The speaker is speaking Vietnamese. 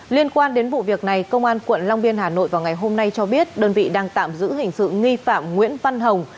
liên quan đến vụ việc này công an quận long biên hà nội vào ngày hôm nay cho biết đơn vị đang tạm giữ hình sự nghi phạm nguyễn văn hồng